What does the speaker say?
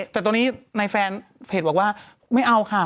แต่ตอนนี้ในแฟนเพจบอกว่าไม่เอาค่ะ